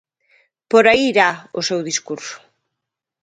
Por aí irá o seu discurso.